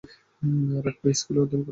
Rugby স্কুলে অধ্যয়ন করেন।